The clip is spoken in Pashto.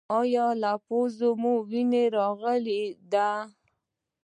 ایا له پوزې مو وینه راغلې ده؟